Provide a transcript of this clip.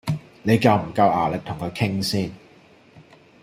你夠唔夠牙力同佢傾先？